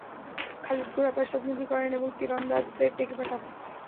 খালিদ ঘোড়া পশ্চাৎমুখী করেন এবং তীরন্দাজদের ডেকে পাঠান।